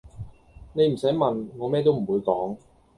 你唔洗問，我咩都唔會講